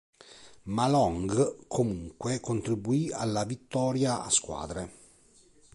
Ma Long comunque contribuì alla vittoria a squadre.